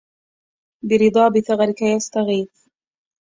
برضاب ثغرك يستغيـث